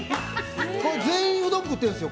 全員うどん食ってるんですよ。